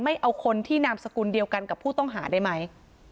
ไม่เอาคนที่นามสกุลเดียวกันกับผู้ต้องหาได้ไหม